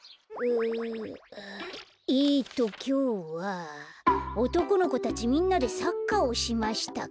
えっときょうは「おとこの子たちみんなでサッカーをしました」か。